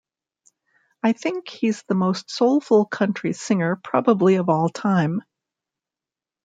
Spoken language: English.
I think he's the most soulful country singer probably of all time.